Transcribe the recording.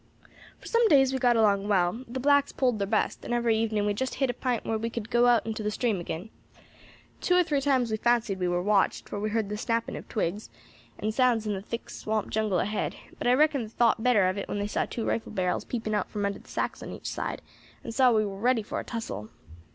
"For some days we got along well; the blacks poled thar best, and every evening we just hit a pint where we could go out into the stream agin. Two or three times we fancied we war watched, for we heard the snapping of twigs, and sounds in the thick swamp jungle ahead; but I reckon they thowt better of it when they saw two rifle barrels peeping out from the sacks on each side, and saw we war ready for a tussle.